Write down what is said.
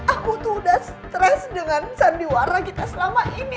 aku tuh udah stres dengan sandiwara kita selama ini